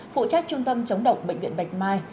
phụ trách trung tâm chống độc bệnh viện bạch mai